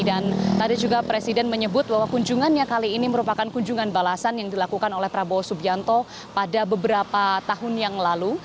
dan tadi juga presiden menyebut bahwa kunjungannya kali ini merupakan kunjungan balasan yang dilakukan oleh prabowo subianto pada beberapa tahun yang lalu